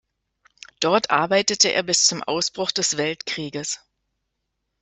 Dort arbeitete er bis zum Ausbruch des Weltkrieges.